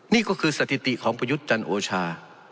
นี่ก็คือสถิติของประยุทธ์จันทร์โอชา